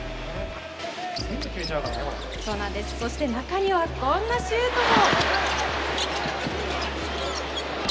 そして、中にはこんなシュートも。